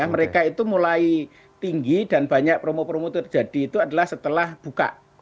mereka itu mulai tinggi dan banyak promo promo terjadi itu adalah setelah buka